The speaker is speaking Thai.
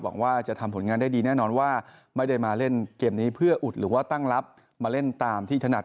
หวังว่าจะทำผลงานได้ดีแน่นอนว่าไม่ได้มาเล่นเกมนี้เพื่ออุดหรือว่าตั้งรับมาเล่นตามที่ถนัด